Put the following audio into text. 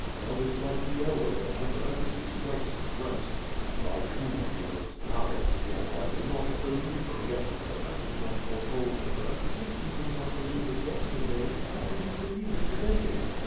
Love is like the arrow that unex pectedly strikes the breast; and I, too, feel its power, although I would not have believed it yesterday had any one fore told it/' "If you would not believe it yesterday, how can you be lieve it to day?"